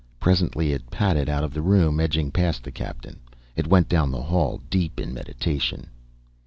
Presently it padded out of the room, edging past the Captain. It went down the hall, deep in meditation.